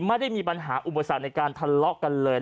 ไม่ได้มีปัญหาอุปสรรคในการทะเลาะกันเลย